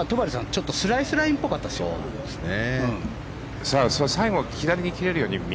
ちょっとスライスっぽかったですね。